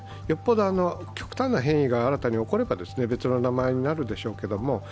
よっぽど極端な変異が新たに起これば別の名前になるでしょうけども